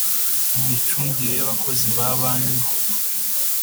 Imicungire y abakozi ba banki